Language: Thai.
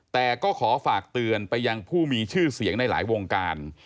แต่ก็ขอฝากเตือนไปยังผู้มีชื่อเสียงในหลายวงการ